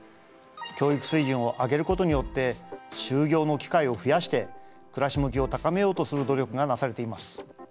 教育水準を上げることによって就業の機会を増やして暮らし向きを高めようとする努力がなされています。